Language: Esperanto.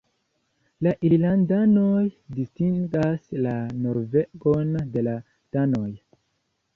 La irlandanoj distingas la norvegoj de la danoj.